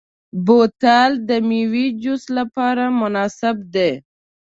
بوتل د میوې جوس لپاره مناسب دی.